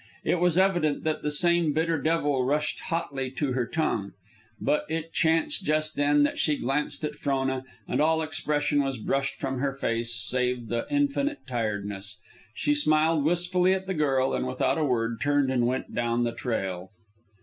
It was evident that the same bitter devil rushed hotly to her tongue. But it chanced just then that she glanced at Frona, and all expression was brushed from her face save the infinite tiredness. She smiled wistfully at the girl, and without a word turned and went down the trail.